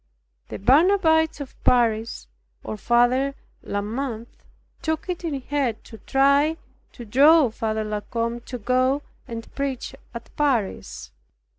The Barnabites of Paris, or rather Father de la Mothe took it in head to try to draw Father La Combe to go and preach at Paris.